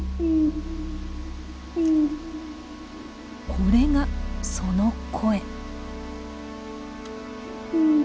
これがその声。